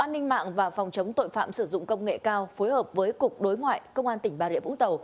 an ninh mạng và phòng chống tội phạm sử dụng công nghệ cao phối hợp với cục đối ngoại công an tỉnh bà rịa vũng tàu